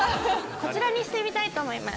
こちらにしてみたいと思います。